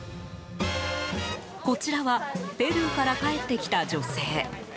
こちらはペルーから帰ってきた女性。